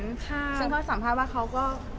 นั้นก็สัมภาพว่าเขาก็